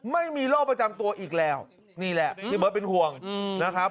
ไม่มีโรคประจำตัวอีกแล้วนี่แหละที่เบิร์ตเป็นห่วงนะครับ